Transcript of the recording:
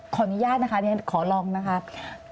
ขออนุญาตนะคะขอลองนะครับ